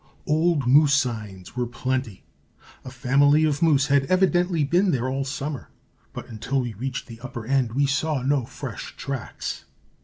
Old moose signs were plenty. A family of moose had evidently been there all summer, but until we reached the upper end we saw no fresh tracks.